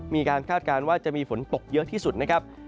คาดการณ์ว่าจะมีฝนตกเยอะที่สุดนะครับ